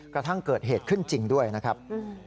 กระทั่งเกิดเหตุขึ้นจริงด้วยนะครับ